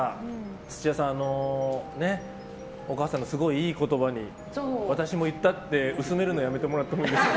土屋さんお母さんのいい言葉に私も言ったって薄めるのやめてもらっていいですか。